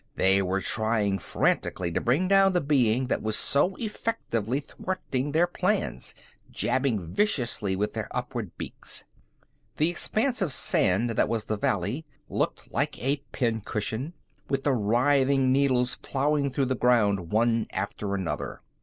They were trying frantically to bring down the being that was so effectively thwarting their plans, jabbing viciously with their upthrust beaks. The expanse of sand that was the valley looked like a pincushion, with the writhing needles ploughing through the ground one after another.